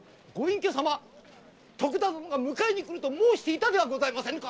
徳田殿が迎えに来ると申していたではありませぬか。